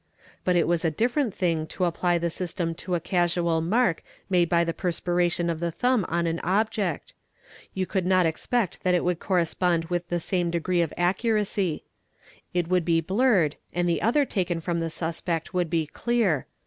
But it was a different thing to apply the system to a casual mark made by the perspiration of the thumb on an object. : You could not expect that it would correspond with the same degree of a accuracy. It would be blurred and the other taken from the suspect Ai would be clear.